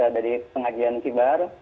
dari pengajian kibar